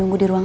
entah di mana